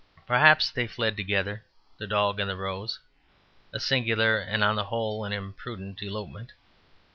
Perhaps they fled together, the dog and the rose: a singular and (on the whole) an imprudent elopement.